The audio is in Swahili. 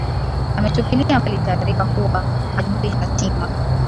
ametupilia mbali taarifa kuwa hajui hatima